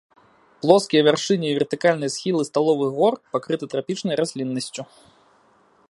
Плоскія вяршыні і вертыкальныя схілы сталовых гор пакрыты трапічнай расліннасцю.